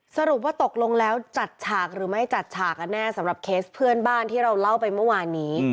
สรุปว่าตกลงแล้วจัดฉากหรือไม่จัดฉากกันแน่สำหรับเคสเพื่อนบ้านที่เราเล่าไปเมื่อวานนี้